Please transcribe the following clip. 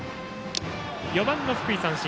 ４番の福井は三振。